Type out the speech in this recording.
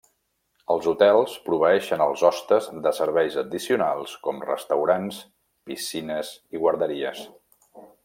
Els hotels proveeixen els hostes de serveis addicionals com restaurants, piscines i guarderies.